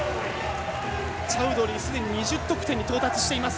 チャウドリー、すでに２０得点に到達しています。